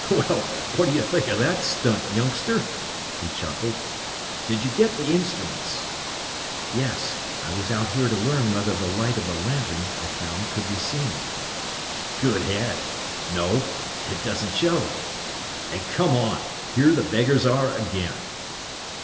"Well, what do you think of that stunt, youngster?" he chuckled. "Did you get the instruments?" "Yes. I was out here to learn whether the light of a lantern I found could be seen." "Good head! No; it doesn't show. "And come on! Here the beggars are again!"